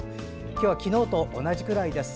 今日は昨日と同じくらいです。